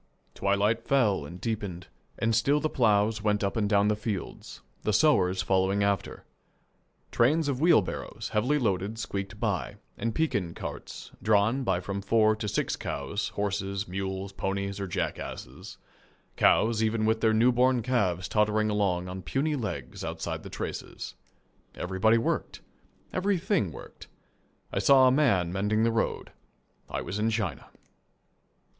Twilight fell and deepened, and still the ploughs went up and down the fields, the sowers following after. Trains of wheelbarrows, heavily loaded, squeaked by, and Pekin carts, drawn by from four to six cows, horses, mules, ponies, or jackasses cows even with their newborn calves tottering along on puny legs outside the traces. Everybody worked. Everything worked. I saw a man mending the road. I was in China.